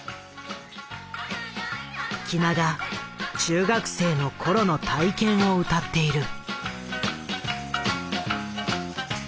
喜納が中学生の頃の体験を歌っている。